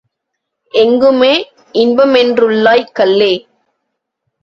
எங்குமே இன்பமென் றுருளாய் கல்லே!